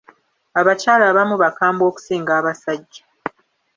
Abakyala abamu bakambwe okusinga abasajja.